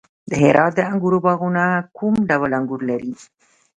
د هرات د انګورو باغونه کوم ډول انګور لري؟